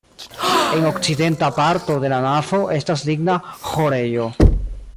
En okcidenta parto de la navo estas ligna ĥorejo.